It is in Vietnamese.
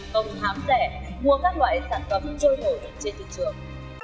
công háng rẻ mua các loại sản phẩm trôi nổi trên thị trường